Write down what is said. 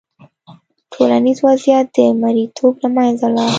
ټولنیز وضعیت د مریتوب له منځه لاړ.